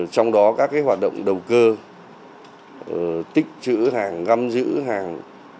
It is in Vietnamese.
trong đó các cái hoạt động đầu cơ tích trữ hàng găm giữ hàng